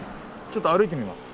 ちょっと歩いてみます。